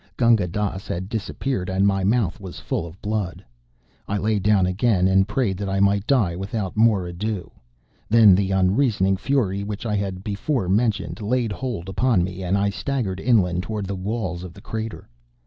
Gunga Dass had disappeared and my mouth was full of blood. I lay down again and prayed that I might die without more ado. Then the unreasoning fury which I had before mentioned, laid hold upon me, and I staggered inland toward the walls of the crater.